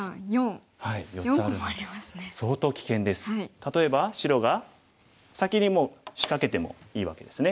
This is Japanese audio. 例えば白が先にもう仕掛けてもいいわけですね。